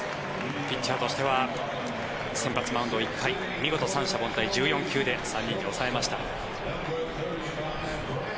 ピッチャーとしては先発マウンド、１回見事、三者凡退１４球で３人で抑えました。